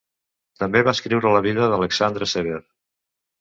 També va escriure la vida d'Alexandre Sever.